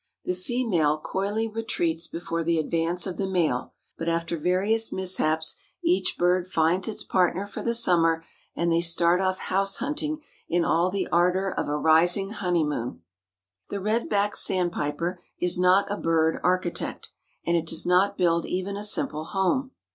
The female coyly retreats before the advance of the male, but after various mishaps each bird finds its partner for the summer and they start off house hunting in all the ardor of a rising honeymoon." The Red backed Sandpiper is not a bird architect and it does not build even a simple home.